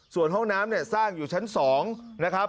ส่วนห้องน้ำเนี่ยสร้างอยู่ชั้น๒นะครับ